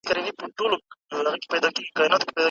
ایا دولت پر نورو سازمانونو واک لري؟